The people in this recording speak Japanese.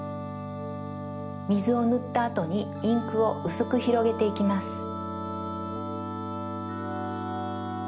みずをぬったあとにインクをうすくひろげていきます。